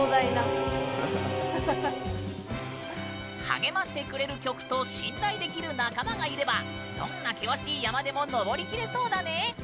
励ましてくれる曲と信頼できる仲間がいればどんな険しい山でも登りきれそうだね。